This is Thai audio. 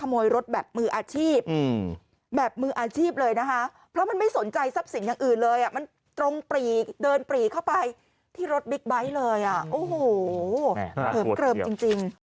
รถแบบมืออาชีพแบบมืออาชีพเลยนะคะเพราะมันไม่สนใจทรัพย์สินอย่างอื่นเลยอ่ะมันตรงปรีเดินปรีเข้าไปที่รถบิ๊กไบท์เลยอ่ะโอ้โหเหิมเกลิมจริง